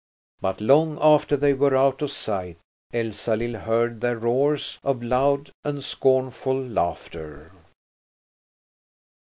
But long after they were out of sight Elsalill heard their roars of loud and scornful laughter.